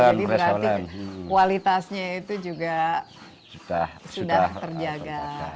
berarti kualitasnya itu juga sudah terjaga